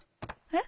え？